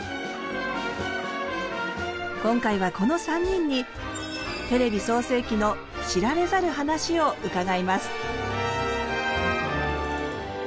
今回はこの３人にテレビ創成期の知られざる話を伺います。